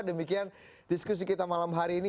demikian diskusi kita malam hari ini